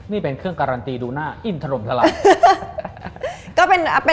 นี่เป็นเครื่องการันตีดูหน้าอินถล่มทลาย